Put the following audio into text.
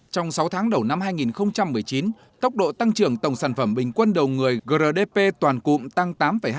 trong sáu tháng đầu năm hai nghìn một mươi chín tốc độ tăng trưởng tổng sản phẩm bình quân đầu người grdp toàn cụm tăng tám hai